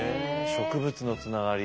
植物のつながり。